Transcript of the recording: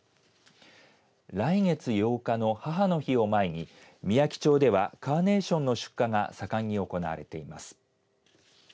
来月８日の母の日を前にみやき町ではカーネーションの出荷が盛んに行われています。